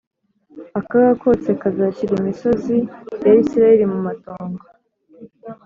Akaga kose kazashyira imisozi ya Isirayeli mu matongo